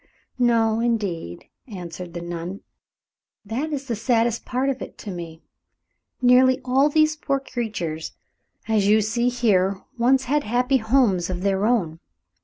"No, indeed," answered the nun. "That is the saddest part of it to me. Nearly all these poor creatures you see here once had happy homes of their own.